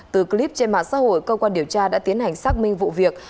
từ clip trên mạng xã hội cơ quan điều tra đã tiến hành xác minh vụ việc